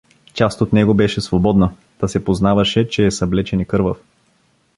Част от него беше свободна, та се познаваше, че е съблечен и кървав.